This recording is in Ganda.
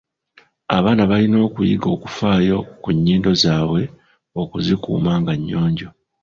Abaana balina okuyiga okufaayo ku nnyindo zaabwe okuzikuuma nga nnyonjo.